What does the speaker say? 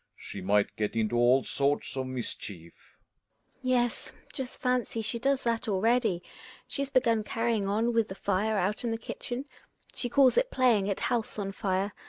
»She might get into all Borts of mischief: <... GiNA. Yes, just fancy — she does that already ! She's begun carrying on with the fire out in the kitchen. She calls it playing at house on fire.